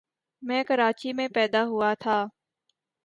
میں کراچی میں پیدا ہوا تھا۔